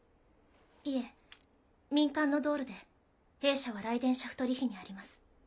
いえ民間のドールで弊社はライデンシャフトリヒにあります。